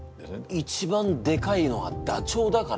一番でかいのはダチョウだから。